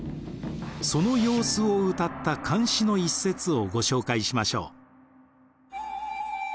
その様子をうたった漢詩の一節をご紹介しましょう。